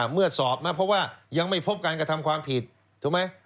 เมื่อสอบนะเพราะว่ายังไม่พบการกระทำความผิดถูกไหม